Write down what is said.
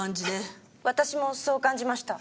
私もそう感じました。